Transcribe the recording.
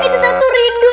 itu satu rindu